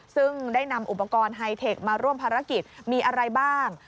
ซึ่งได้นำอุปกรณ์ไฮเทคมาร่วมภารกิจมีอะไรบ้าง